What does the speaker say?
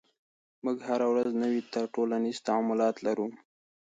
موږ هره ورځ نوي ټولنیز تعاملات لرو.